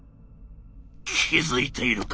「気付いているか？